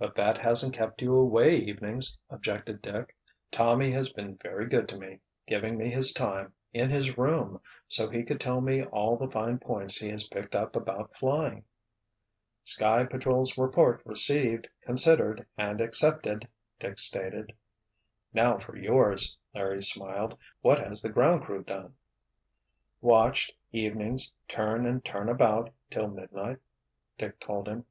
"But that hasn't kept you away evenings," objected Dick. "Tommy has been very good to me, giving me his time, in his room, so he could tell me all the 'fine points' he has picked up about flying." "Sky Patrol's report received, considered and accepted," Dick stated. "Now for yours," Larry smiled. "What has the Ground Crew done?" "Watched, evenings, turn and turn about, till midnight," Dick told him.